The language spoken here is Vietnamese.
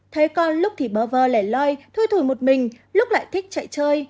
thấy con lúc thì bơ vơ lẻ loi thui thùi một mình lúc lại thích chạy chơi